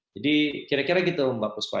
jadi kira kira gitu mbak puspa